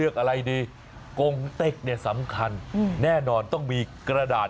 กรงเต็กเนี่ยสำคัญอืมแน่นอนต้องมีกระดาษ